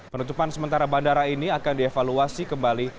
penutupan sementara bandara ini akan dievaluasi kembali